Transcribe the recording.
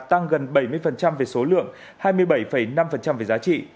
tăng gần bảy mươi về số lượng hai mươi bảy năm về giá trị